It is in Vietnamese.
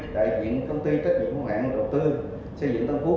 đại diện công ty trách nhiệm hữu hạn đầu tư xây dựng tân phước